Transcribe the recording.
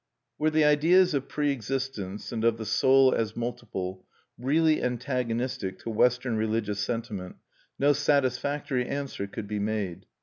Were the ideas of pre existence and of the soul as multiple really antagonistic to Western religious sentiment, no satisfactory answer could be made.